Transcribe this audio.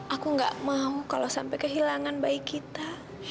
aku gak mau kalau sampai kehilangan baik kita